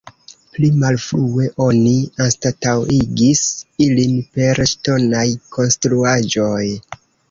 Pli malfrue oni anstataŭigis ilin per ŝtonaj konstruaĵoj.